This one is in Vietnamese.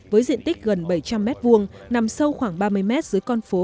với diện tích gần bảy trăm linh mét vuông nằm sâu khoảng ba mươi mét dưới con phố